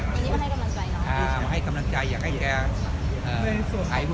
อยากให้แกไหวไหว